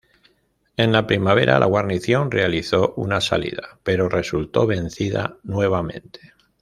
En la primavera, la guarnición realizó una salida, pero resultó vencida nuevamente.